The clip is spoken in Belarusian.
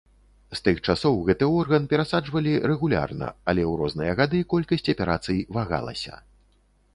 З тых часоў гэты орган перасаджвалі рэгулярна, але ў розныя гады колькасць аперацый вагалася.